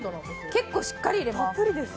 結構しっかり入れます。